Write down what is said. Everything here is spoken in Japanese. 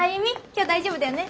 今日大丈夫だよね？